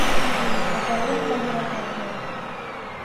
Пагален да йӧратен пуэм.